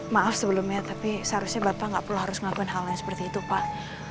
maaf sebelumnya tapi seharusnya bapak gak perlu harus ngakuin hal hal seperti itu pak